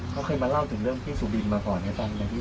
เขาเคยมาเล่าถึงเรื่องพี่สุบินมาก่อนไหมครับ